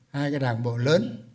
hai cái đảng bộ lớn